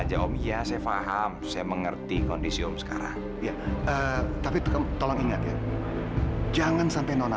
ya om ya saya paham saya mengerti kondisi om sekarang tapi tolong ingat jangan sampai nona